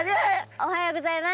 おはようございます。